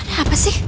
ada apa sih